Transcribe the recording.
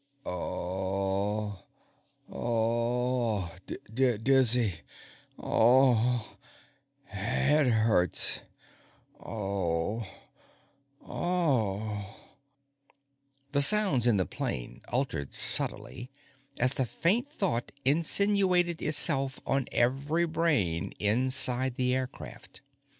_Uhhh uh uh dizzy head hurts uh uh _ The sounds in the plane altered subtly as the faint thought insinuated itself on every brain inside the aircraft.